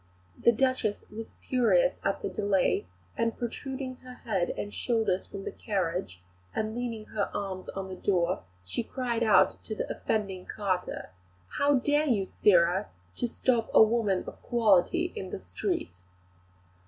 The Duchess was furious at the delay, and protruding her head and shoulders from the carriage and leaning her arms on the door, she cried out to the offending carter: "How dare you, sirrah, to stop a woman of quality in the street?"